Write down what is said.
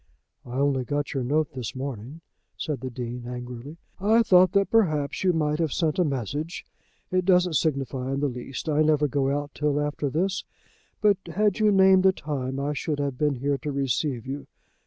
"I only got your note this morning," said the Dean angrily. "I thought that perhaps you might have sent a message. It doesn't signify in the least. I never go out till after this, but had you named a time I should have been here to receive you.